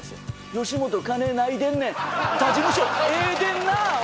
「吉本金ないでんねん他事務所ええでんな」。